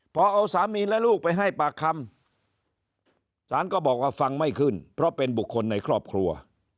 พอเอาสามีและลูกไปให้ปากคำศาลก็บอกว่าฟังไม่ขึ้นเพราะเป็นบุคคลในครอบครัว